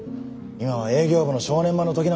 今は営業部の正念場の時なんだよ。